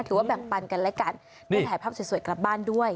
ว่าแบ่งปันกันและกันได้ถ่ายภาพสวยกลับบ้านด้วย